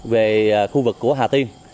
về khu vực của hà tiên